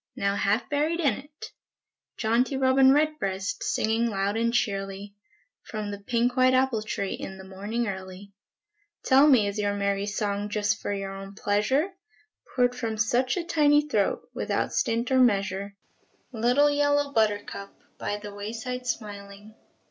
Now half buried in it ! Jaunty robin redbreast, Singing loud and cheerly, From the pink white apple tree In the morning early, Tell me, is your merry song Just for your own pleasure, Poured from such a tiny throat, Without stint or measure ? Little yellow buttercup, By the way side smiling.